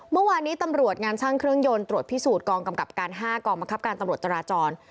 เมื่อวานนี้ตำรวจงานช่างเครื่องยนต์ตรวจพิสูจน์กองกำกับการ๕กองบังคับการตำรวจจราจร